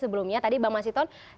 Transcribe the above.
sebelumnya tadi bang masito